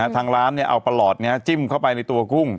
ทางร้านเอาประหลอดนี้จิ้มเข้าไปในตัวกุ้ง